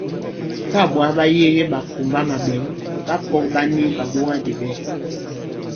Tâ ɓwǎ ɓa yege ɓàkùmbamàɓěŋ, ɓapɔ̄k ɓa ni ɓàɓogabìɓɛ̌.